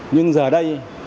nhưng giờ đây